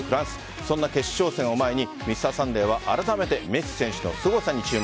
そんな決勝戦を前に「Ｍｒ．サンデー」はあらためてメッシ選手のすごさに注目。